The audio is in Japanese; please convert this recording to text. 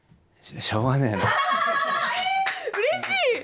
えうれしい！